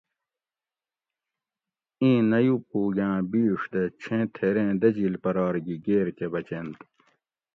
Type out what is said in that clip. ایں نہ یوپوگاۤن بیڛ دہ چھیں تھیریں دجیل پرار گی گیر کہ بچینت